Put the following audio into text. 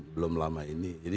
belum lama ini